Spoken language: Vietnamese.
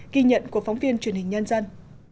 ghi nhận của phóng viên truyền hình nhân dân